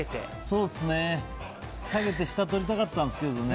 そうですね下げて下をとりたかったんですけどね。